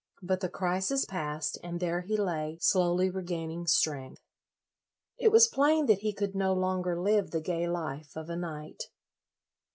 But the crisis passed, and there he lay, slowly regaining strength. It was plain that he could no longer live the gay life of a knight.